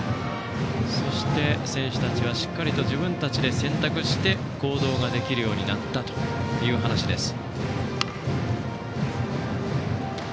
そして、選手たちはしっかりと自分たちで選択して行動ができるようになったという話です。